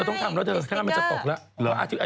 มันจะอยี่นจนติดแต้ตา